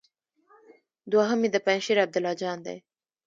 دوهم يې د پنجشېر عبدالله جان دی.